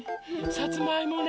さつまいもね。